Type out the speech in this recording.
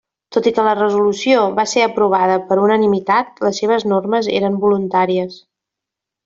Tot i que la resolució va ser aprovada per unanimitat, les seves normes eren voluntàries.